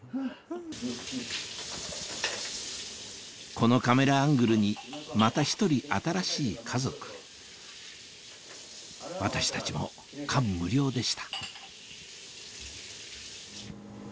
このカメラアングルにまた１人新しい家族私たちも感無量でした